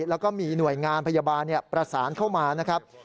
แล้วก็มีหน่วยงานพยาบาลประสานเข้ามานะครับ